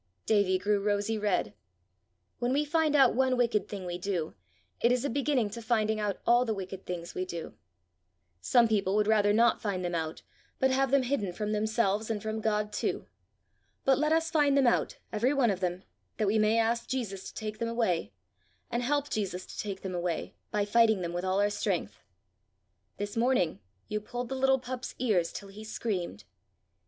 Davie grew rosy red. "When we find out one wicked thing we do, it is a beginning to finding out all the wicked things we do. Some people would rather not find them out, but have them hidden from themselves and from God too. But let us find them out, everyone of them, that we may ask Jesus to take them away, and help Jesus to take them away, by fighting them with all our strength. This morning you pulled the little pup's ears till he screamed."